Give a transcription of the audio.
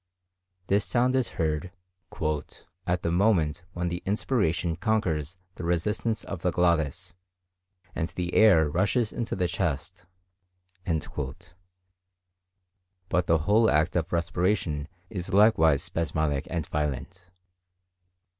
This sound is heard "at the moment when the inspiration conquers the resistance of the glottis, and the air rushes into the chest." But the whole act of respiration is likewise spasmodic and violent.